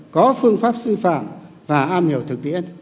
có phương pháp sư phạm và am hiểu thực tiễn